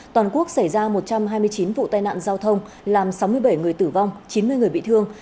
toàn quốc xảy ra một trăm hai mươi chín vụ tai nạn giao thông làm sáu mươi bảy người tử vong chín mươi người bị thương